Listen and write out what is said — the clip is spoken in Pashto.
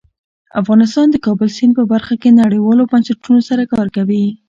افغانستان د د کابل سیند په برخه کې نړیوالو بنسټونو سره کار کوي.